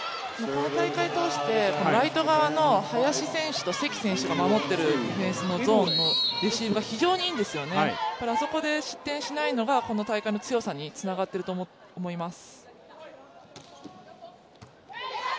この大会を通してライト側の林選手と関選手が守っているディフェンスのゾーンのレシーブが非常にいいんですよね、あそこで失点しないのがこの大会の強さにつながっていると思います。